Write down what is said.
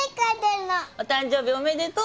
お誕生日おめでとう！